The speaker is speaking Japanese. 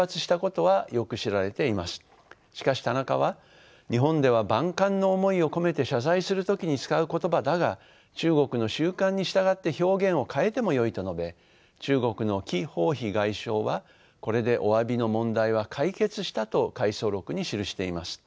しかし田中は日本では万感の思いを込めて謝罪する時に使う言葉だが中国の習慣に従って表現を変えてもよいと述べ中国の姫鵬飛外相はこれでおわびの問題は解決したと回想録に記しています。